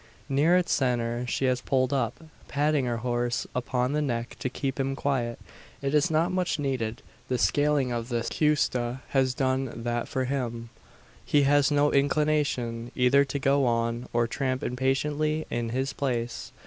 Near its centre she has pulled up, patting her horse upon the neck to keep him quiet. It is not much needed. The scaling of the "cuesta" has done that for him. He has no inclination either to go on, or tramp impatiently in his place.